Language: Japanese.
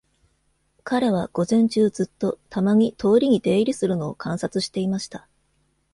彼は午前中ずっと、たまに通りに出入りするのを観察していました。